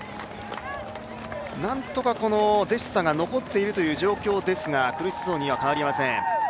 なんとか、デシサが残っているという状況ですが苦しそうには変わりありません。